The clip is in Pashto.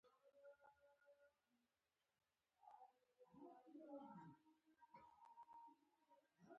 • د ورځې لمر بدن ته انرژي ورکوي.